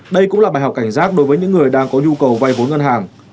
đây cũng là bài học cảnh giác đối với những người đang có nhu cầu vay vốn ngân hàng